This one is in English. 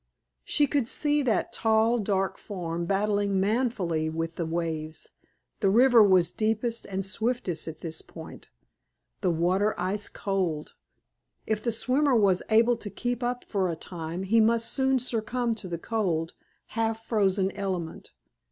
She could see that tall, dark form battling manfully with the waves; the river was deepest and swiftest at this point the water ice cold. If the swimmer was able to keep up for a time, he must soon succumb to the cold, half frozen element.